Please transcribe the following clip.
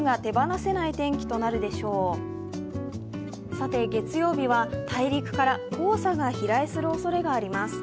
さて月曜日は大陸から黄砂が飛来するおそれがあります。